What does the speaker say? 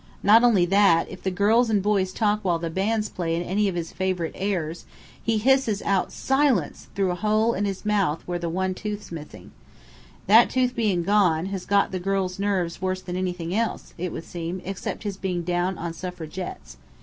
Not only that, if the girls and boys talk while the band's playin' any of his favourite airs, he hisses out 'Silence,' through a hole in his mouth where one tooth's missin'. That tooth bein' gone, has got on the girls' nerves worse than anything else, it would seem, except his being down on Suffragettes.